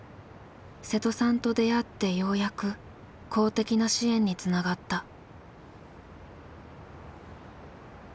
瀬戸さんと出会ってようやく公的な支援につながった。